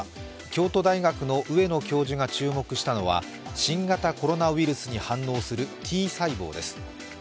京都大学の上野教授が注目したのは、新型コロナウイルスに反応するＴ細胞です。